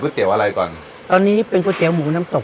ตอนนี้เป็นกู้เตี๋ยวหมูน้ำตก